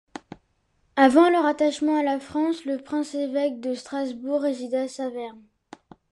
Avant le rattachement à la France, le prince-évêque de Strasbourg résidait à Saverne.